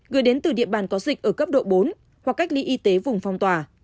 gửi đến từ địa bàn có dịch ở cấp độ bốn hoặc cách ly y tế vùng phong tỏa